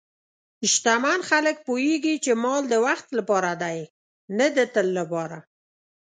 شتمن خلک پوهېږي چې مال د وخت لپاره دی، نه د تل لپاره.